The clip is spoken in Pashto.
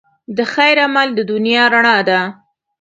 د خیر عمل د دنیا رڼا ده.